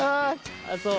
あっそう。